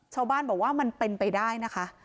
ชาวบ้านบอกว่ามันเป็นไปได้นะคะ